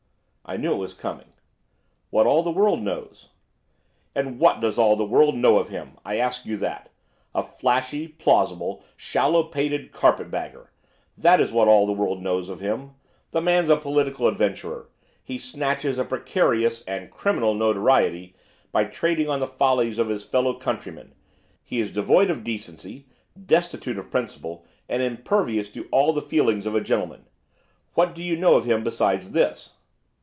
I knew it was coming. 'What all the world knows.' 'And what does all the world know of him? I ask you that! A flashy, plausible, shallow pated, carpet bagger, that is what all the world knows of him. The man's a political adventurer, he snatches a precarious, and criminal, notoriety, by trading on the follies of his fellow countrymen. He is devoid of decency, destitute of principle, and impervious to all the feelings of a gentleman. What do you know of him besides this?